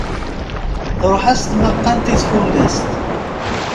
Truḥ-as tmaqqant i tfunast.